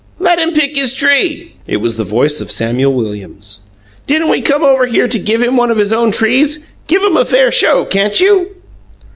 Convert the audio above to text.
"Let him pick his tree!" It was the voice of Samuel Williams. "Didn't we come over here to give him one of his own trees? Give him a fair show, can't you?"